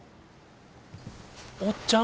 おっちゃん！